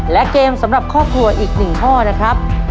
และเกมสำหรับครอบครัวอีก๑ข้อนะครับ